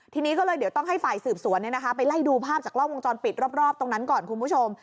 ทีนี้ก็เลยเดี๋ยวต้องให้ฝ่ายสืบสวนไปไล่ดูภาพจากกล้องวงจรปิดรอบตรงนั้นก่อนคุณผู้ชม